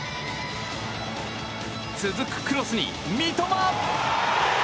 続くクロスに三笘！